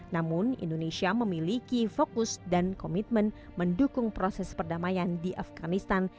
namun indonesia memiliki fokus dan komitmen mendukung proses perdamaian di afganistan